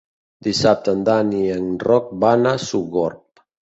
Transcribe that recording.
Dissabte en Dan i en Roc van a Sogorb.